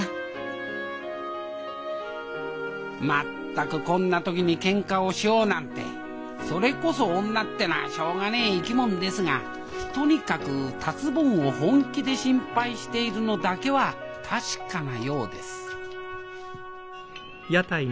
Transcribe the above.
全くこんな時にケンカをしようなんてそれこそ女ってのはしょうがねえ生き物ですがとにかく達ぼんを本気で心配しているのだけは確かなようです